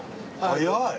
早い！